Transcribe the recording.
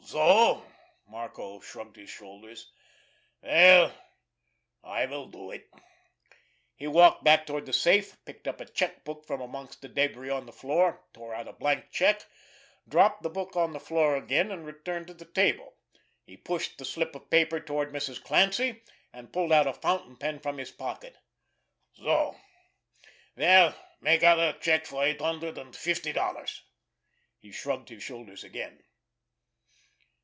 "So!" Marco shrugged his shoulders. "Well, I will do it." He walked back toward the safe, picked up a check book from amongst the debris on the floor, tore out a blank check, dropped the book on the floor again, and returned to the table. He pushed the slip of paper toward Mrs. Clancy, and pulled out a fountain pen from his pocket. "So! Well, make out a check for eight hundred and fifty dollars." He shrugged his shoulders again.